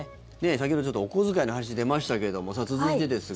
先ほどちょっとお小遣いの話出ましたけれども続いてですが。